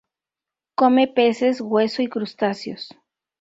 Come peces hueso y crustáceos.